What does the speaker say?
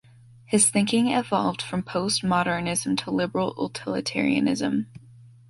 His thinking evolved from postmodernism to liberal utilitarianism.